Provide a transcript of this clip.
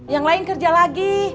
yang lain kerja lagi